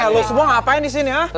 kalau semua ngapain di sini ya